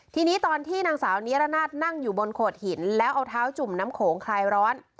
ทีนี้ตอนที่นางสาวนิรนาศนั่งอยู่บนโขดหินแล้วเอาเท้าจุ่มน้ำโขงคลายร้อน